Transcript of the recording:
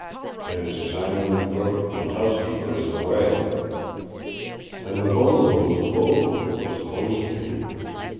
"And his Chinaman cook and housekeeper is away." "And the bungalow is closed, or supposed to be."